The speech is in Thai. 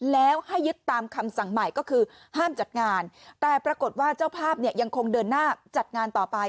แล้วให้ยึดตามคำสั่งใหม่ก็คือห้ามจัดงานแต่ปรากฏว่าเจ้าภาพเนี่ยยังคงเดินหน้าจัดงานต่อไป